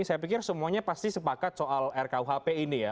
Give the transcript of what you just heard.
saya pikir semuanya pasti sepakat soal rkuhp ini ya